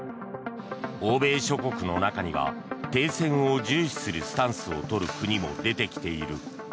欧米諸国の中には停戦を重視するスタンスを取る国も出てきている。